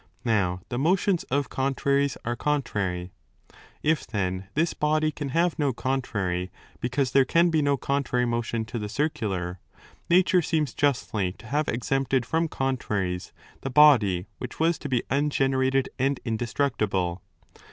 Now the motions of contraries are contrary. If then this body can have πὸ contrary, because there can be no con trary motion to the circular, nature seems justly to have exempted from contraries the body which was to be un generated and indestructible.